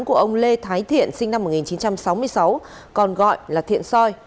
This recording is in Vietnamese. của ông lê thái thiện sinh năm một nghìn chín trăm sáu mươi sáu còn gọi là thiện soi